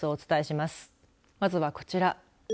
まずはこちら。